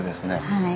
はい。